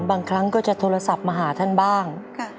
บางครั้งก็จะโทรศัพท์มาหาท่านบ้าง